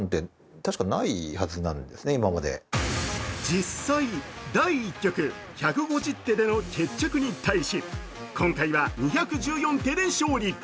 実際、第１局１５０手での決着に対し今回は２１４手で勝利。